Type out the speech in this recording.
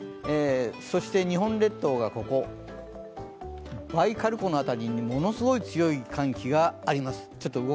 そして日本列島がここ、バイカル湖の辺りにものすごい寒気があります。